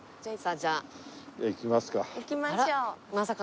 じゃあ行きますか。